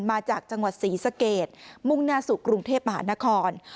มาจากจังหวัดศรีสะเกดมุ่งหน้าสู่กรุงเทพมหานคร